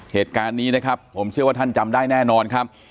เหตุการณ์นี้นะครับผมเชื่อว่าท่านจำได้แน่นอนครับ